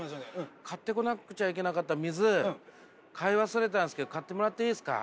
買ってこなくちゃいけなかった水買い忘れたんですけど買ってもらっていいですか？